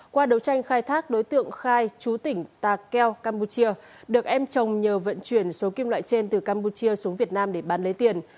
qua đấu tranh khai thác đối tượng khai chú tỉnh ta keo campuchia được em chồng nhờ vận chuyển số kim loại trên từ campuchia xuống việt nam để bán lấy tiền